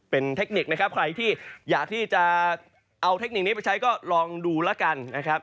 เป็นเทคนิคใครอยากเอาเทคนิคนี้ไปใช้ก็ลองดูนะครับ